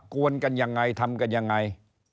กวนกันยังไงทำกันยังไง